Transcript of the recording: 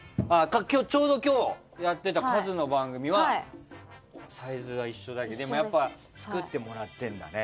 ちょうど今日やってたカズの番組はサイズが一緒だけどでも、やっぱり作ってもらってるんだね。